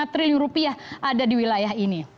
empat puluh satu lima triliun rupiah ada di wilayah ini